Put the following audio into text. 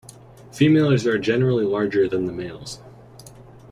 Females are generally larger than the males.